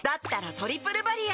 「トリプルバリア」